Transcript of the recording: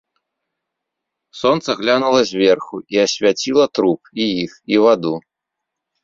Сонца глянула зверху і асвяціла труп, і іх, і ваду.